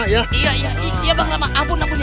iya iya iya bang rama ampun ampun ya